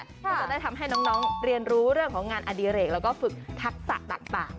ก็จะได้ทำให้น้องเรียนรู้เรื่องของงานอดิเรกแล้วก็ฝึกทักษะต่าง